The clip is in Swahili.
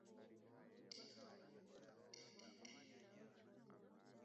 Baba hao ulionipa nataka wawe pamoja nami popote nilipo